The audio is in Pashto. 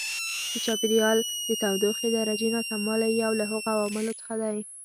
د چاپېریال د تودوخې درجې ناسموالی یو له هغو عواملو څخه دی.